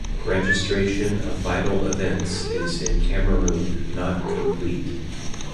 Registration of vital events is in Cameroon not complete.